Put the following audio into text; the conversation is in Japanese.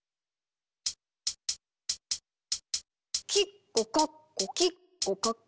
キッコカッコキッコカッコ。